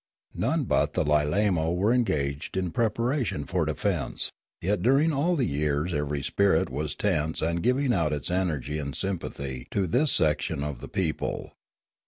None but the Lilamo were engaged in preparation for defence; yet during all the years every spirit was tense and giving out its energy in sympathy to this section of the people.